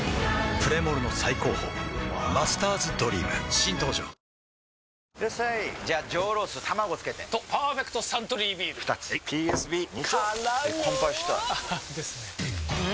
プレモルの最高峰「マスターズドリーム」新登場ワオいらっしゃいじゃあ上ロース卵つけてと「パーフェクトサントリービール」２つはいＰＳＢ２丁！！からの乾杯したいですよねう！